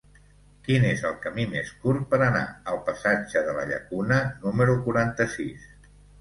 Quin és el camí més curt per anar al passatge de la Llacuna número quaranta-sis?